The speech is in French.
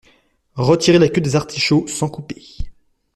Retirer la queue des artichauts sans couper